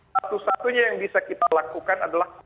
satu satunya yang bisa kita lakukan adalah